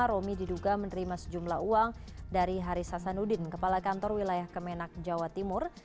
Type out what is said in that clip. romi diduga menerima sejumlah uang dari haris hasanuddin kepala kantor wilayah kemenak jawa timur